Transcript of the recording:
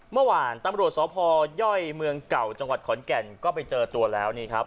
เมื่อวานตำรวจสพย่อยเมืองเก่าจังหวัดขอนแก่นก็ไปเจอตัวแล้วนี่ครับ